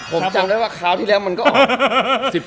ผมจำได้ว่าคราวที่แล้วมันก็ออก